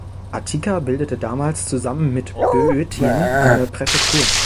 Attika bildete damals zusammen mit Böotien eine Präfektur.